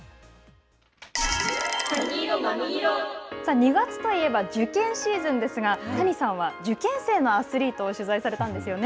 ２月といえば受験シーズンですが谷さんは受験生のアスリートを取材されたんですよね。